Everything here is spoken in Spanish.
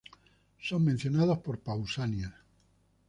Son mencionados por Pausanias.